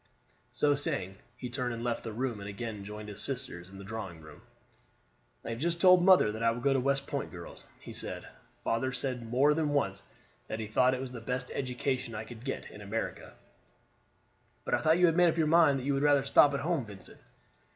So saying, he turned and left the room and again joined his sisters in the drawing room. "I have just told mother that I will go to West Point, girls," he said. "Father said more than once that he thought it was the best education I could get in America." "But I thought you had made up your mind that you would rather stop at home, Vincent?"